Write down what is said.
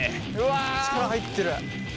力入ってる。